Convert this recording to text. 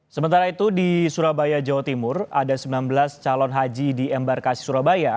sementara itu di surabaya jawa timur ada sembilan belas calon haji di embarkasi surabaya